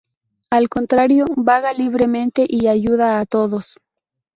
Al contrario, vaga libremente y ayuda a todos.